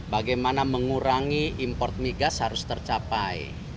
bagaimana mengurangi import migas harus tercapai